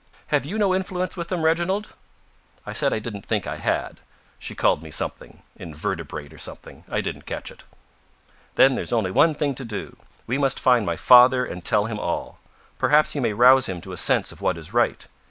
"Have you no influence with him, Reginald?" I said I didn't think I had. She called me something. Invertebrate, or something. I didn't catch it. "Then there's only one thing to do. You must find my father and tell him all. Perhaps you may rouse him to a sense of what is right.